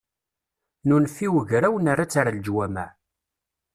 Nunef i wegraw nerra-tt ar leǧwameɛ.